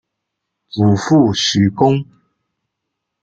祖父许恭。